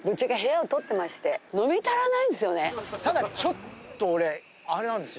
ただちょっと俺あれなんですよ。